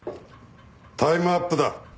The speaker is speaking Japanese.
タイムアップだ。